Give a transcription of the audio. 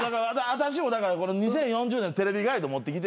私もだから２０４０年の『ＴＶガイド』持ってきて。